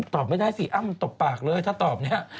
ตอบไม่ได้สิอ้ำมันตบปากเลยถ้าตอบเนี่ย